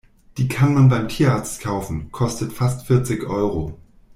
Die kann man beim Tierarzt kaufen, kostet fast vierzig Euro.